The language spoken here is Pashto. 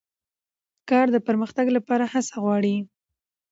کار د پرمختګ لپاره هڅه غواړي